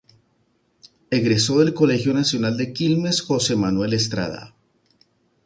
Egresó del Colegio Nacional de Quilmes Jose Manuel Estrada.